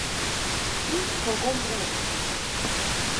ის გოგო მღერის